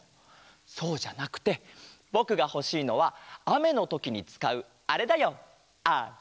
そうじゃなくてぼくがほしいのはあめのときにつかうあれだよあれ！